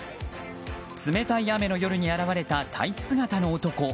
冷たい雨の夜に現れたタイツ姿の男。